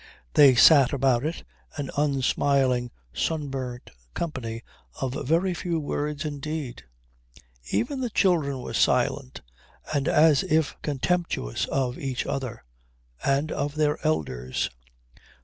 They sat about it, an unsmiling, sunburnt company of very few words indeed. Even the children were silent and as if contemptuous of each other and of their elders.